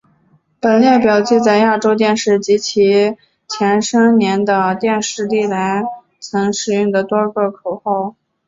本列表记载亚洲电视及其前身丽的电视历年来曾使用的多个口号。